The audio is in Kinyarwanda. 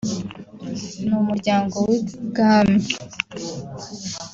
n’umuryango w’ibwami